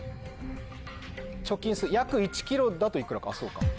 貯金する約１ｋｇだといくらかそうか。